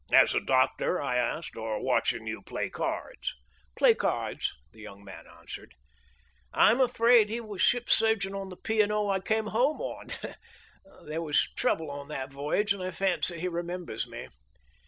"As a doctor," I asked, "or watching you play cards?" "Play cards," the young man answered. "I'm afraid he was ship's surgeon on the P. & O. I came home on. There was trouble that voyage, and I fancy he remembers me."